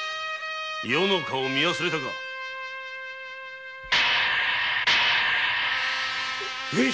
余の顔を見忘れたか上様